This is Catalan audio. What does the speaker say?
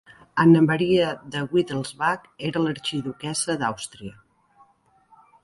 Anna Maria de Wittelsbach era l'arxiduquessa d'Àustria.